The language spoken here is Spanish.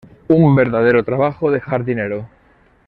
Un verdadero trabajo de jardinero".